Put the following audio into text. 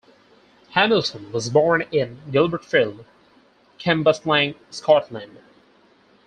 Hamilton was born in Gilbertfield, Cambuslang, Scotland.